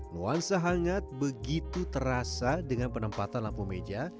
nuansa hangat begitu terasa dengan penempatan lampu meja